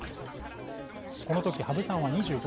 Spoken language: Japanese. この時羽生さんは２５歳。